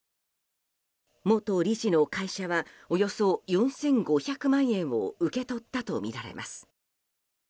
元理事の会社はおよそ４５００万円を受け取ったとみられます。